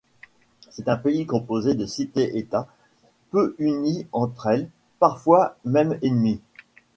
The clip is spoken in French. C'est un pays composé de cités-états, peu unies entre elles, parfois même ennemies.